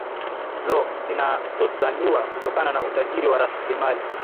lo linazozaniwa kutokana na utajiri wa raslimali